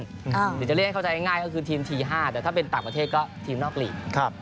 หรือจะเรียกให้เข้าใจง่ายก็คือทีมที๕แต่ถ้าเป็นต่างประเทศก็ทีมนอกลีก